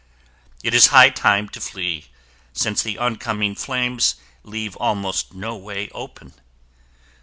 It is high time to flee, since the oncoming flames leave almost no way open.